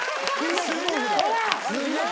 すげえ！